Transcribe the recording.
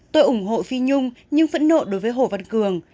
tôi ủng hộ phi nhung nhưng phẫn nộ đối với hô vấn cường